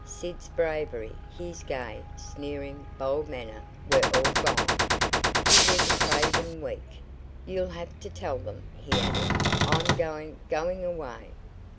Sid's bravery his gay, sneering, bold manner were all gone. He was a craven weak. "You'll have to tell them," he added. "I'm going going away."